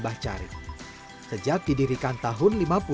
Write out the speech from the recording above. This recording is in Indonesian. kacang kedelai ini selalu dilestarikan oleh pemilik tempe bacem